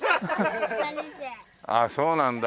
ああそうなんだ。